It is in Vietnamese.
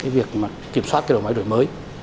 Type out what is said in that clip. việc kiểm soát đầu máy đổi mới